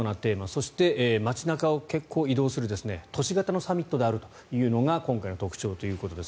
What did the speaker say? そして、街中を結構移動する都市型のサミットであるというのが今回の特徴になります。